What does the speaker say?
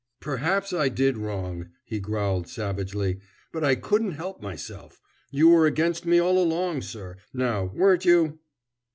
"Perhaps I did wrong," he growled savagely, "but I couldn't help myself. You were against me all along, sir now, weren't you?"